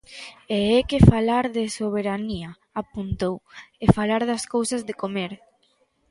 E é que falar de soberanía, apuntou, é falar das cousas de comer.